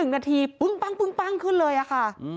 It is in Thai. ๑นาทีปึ้งปั้งปึ้งปั้งขึ้นเลยค่ะ